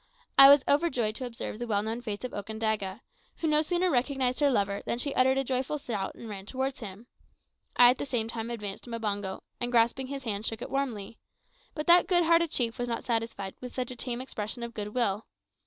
I was overjoyed to observe the well known face of Okandaga, who no sooner recognised her lover than she uttered a joyful shout and ran towards him. I at the same time advanced to Mbango, and grasping his hand shook it warmly; but that good hearted chief was not satisfied with such a tame expression of good will.